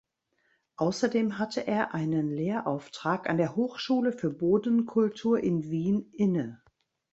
Außerdem hatte er einen Lehrauftrag an der Hochschule für Bodenkultur in Wien inne.